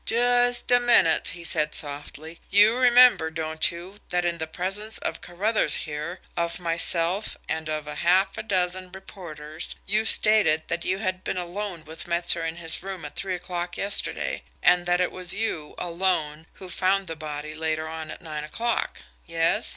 "Just a minute," he said softly. "You remember, don't you, that in the presence of Carruthers here, of myself, and of half a dozen reporters, you stated that you had been alone with Metzer in his room at three o'clock yesterday, and that it was you alone who found the body later on at nine o'clock? Yes?